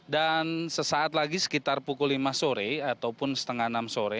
dan sesaat lagi sekitar pukul lima sore ataupun setengah enam sore